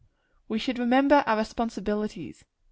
We should remember our responsibilities.